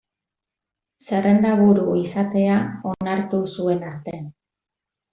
Zerrendaburu izatea onartu zuen arte.